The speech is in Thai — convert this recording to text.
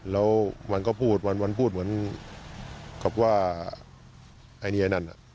แล้วมันก็พูดเหมือนกับว่าไอ้นี่ไอ้นั่น